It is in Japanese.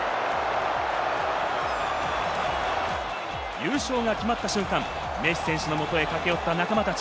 優勝が決まった瞬間、メッシ選手の元へ駆け寄った仲間たち。